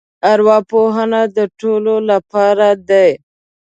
ارواپوهنه د ټولو لپاره دی.